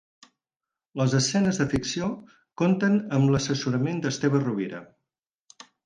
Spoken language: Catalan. Les escenes de ficció compten amb l'assessorament d'Esteve Rovira.